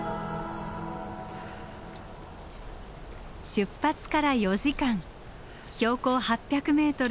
出発から４時間標高８００ｍ